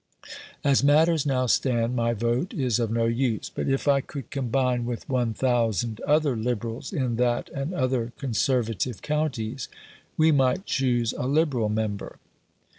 As matters now stand, my vote is of no use. But if I could combine with 1000 other Liberals in that and other Conservative counties, we might choose a Liberal member.